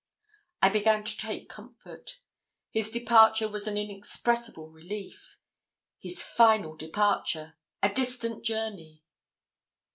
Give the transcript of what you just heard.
I began to take comfort. His departure was an inexpressible relief. His final departure! a distant journey!